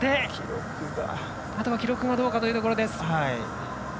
あとは記録がどうかというところ。